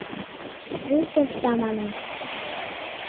— Вуй коршта, манеш.